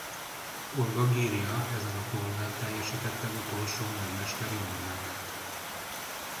Olga Girja ezen a tornán teljesítette utolsó nagymesteri normáját.